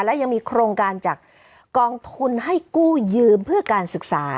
และยังมีโครงการจากกองทุนให้กู้ยืมเพื่อการศึกษา